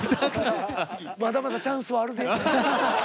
まだまだチャンスはあるで。